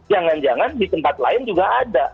jangan jangan di tempat lain juga ada